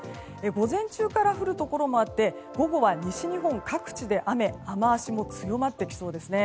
午前中から降るところもあって午後は、西日本各地で雨雨脚も強まってきそうです。